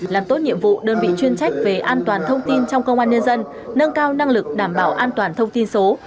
làm tốt nhiệm vụ đơn vị chuyên trách về an toàn thông tin trong công an nhân dân nâng cao năng lực đảm bảo an toàn thông tin số